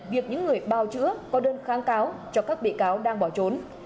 việc những người bào chữa có đơn kháng cáo cho các bị cáo đang bỏ trốn